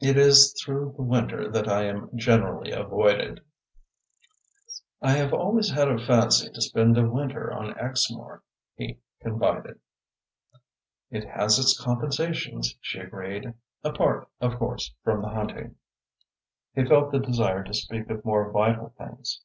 It is through the winter that I am generally avoided." "I have always had a fancy to spend a winter on Exmoor," he confided. "It has its compensations," she agreed, "apart, of course, from the hunting." He felt the desire to speak of more vital things.